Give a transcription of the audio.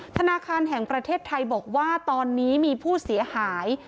ธนาคารแห่งประเทศไทยบอกว่าตอนนี้มีผู้เสียหาย